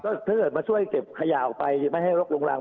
ถ้าเกิดมาช่วยเก็บขยะออกไปไม่ให้รกลงรัง